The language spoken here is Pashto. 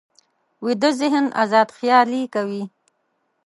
ویده ذهن ازاد خیالي کوي